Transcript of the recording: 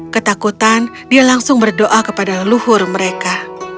ketakutan dia langsung berdoa kepada leluhur mereka